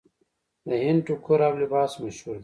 د هند ټوکر او لباس مشهور دی.